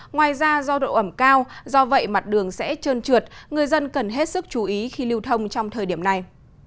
ngoài ra do độ ẩm cao do vậy mặt đường sẽ trơn trượt người dân cần hết sức chú ý khi lưu thông trong thời điểm này